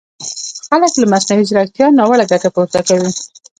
خلک له مصنوعي ځیرکیتا ناوړه ګټه پورته کوي!